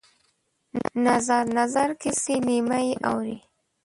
نظر، نظر کسي لېمه یې اورې